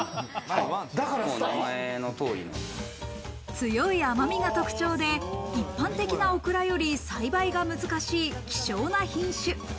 強い甘みが特徴で、一般的なオクラより栽培が難しい希少な品種。